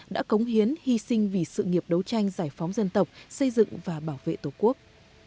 đã cống hiến hy sinh vì sự nghiệp đấu tranh giải phóng dân tộc xây dựng và bảo vệ tổ quốc